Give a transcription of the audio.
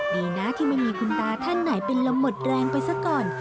ดีนะที่ไม่มีคุณตาท่านไหนเป็นลมหมดแรงไปซะก่อน